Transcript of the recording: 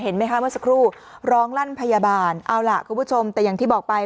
ไหมคะเมื่อสักครู่ร้องลั่นพยาบาลเอาล่ะคุณผู้ชมแต่อย่างที่บอกไป